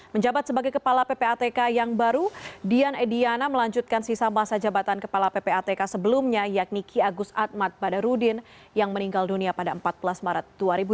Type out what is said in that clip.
menjabat sebagai kepala ppatk yang baru dian ediana melanjutkan sisa masa jabatan kepala ppatk sebelumnya yakni ki agus atmat padarudin yang meninggal dunia pada empat belas maret dua ribu dua puluh